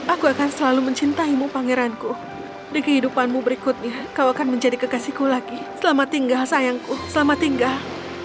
aku akan selalu mencintaimu pangeranku di kehidupanmu berikutnya kau akan menjadi kekasihku lagi selamat tinggal sayangku selamat tinggal